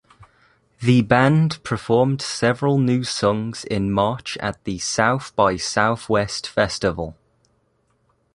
The band performed several new songs in March at the South by Southwest festival.